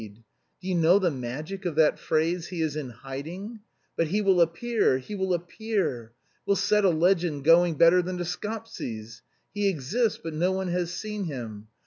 "Do you know the magic of that phrase, 'he is in hiding'? But he will appear, he will appear. We'll set a legend going better than the Skoptsis'. He exists, but no one has seen him.